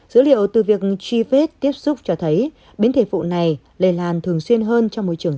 dữ liệu từ việc trivet tiếp xúc cho thấy biến thể vụ này lây lan thường xuyên hơn trong môi trường